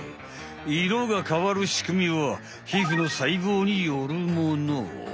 色が変わるしくみはひふのさいぼうによるもの。